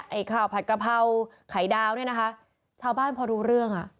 ไอ้ข้าวผัดกระเพราไข่ดาวเนี่ยนะคะชาวบ้านพอรู้เรื่องอ่ะ